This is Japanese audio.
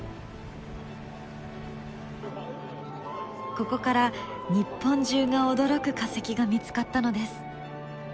ここから日本中が驚く化石が見つかったのです。